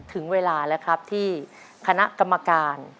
ถึงเวลาแล้วครับที่คณะกรรมการ